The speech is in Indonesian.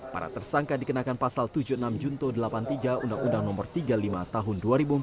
para tersangka dikenakan pasal tujuh puluh enam junto delapan puluh tiga undang undang no tiga puluh lima tahun dua ribu empat belas